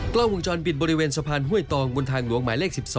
กล้องวงจรปิดบริเวณสะพานห้วยตองบนทางหลวงหมายเลข๑๒